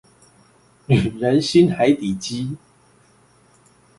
女人心海底雞